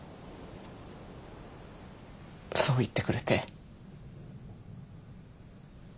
そう言ってくれて。